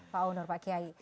pak onur pak kiai